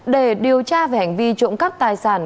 để điều tra về hành vi trộm cắp tài sản